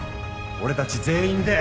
俺たち全員で